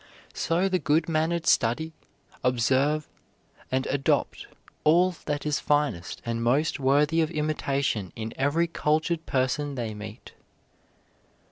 So the good mannered study, observe, and adopt all that is finest and most worthy of imitation in every cultured person they meet.